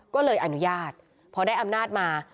ก็เลยอนุญาตพอได้อำนาจมา